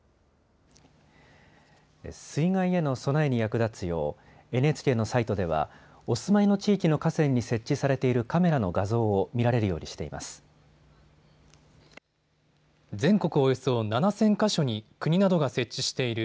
水害への備えに役立つようＮＨＫのサイトではお住まいの地域の河川に設置されているカメラの画像を見られるようにしています。